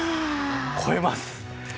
超えます。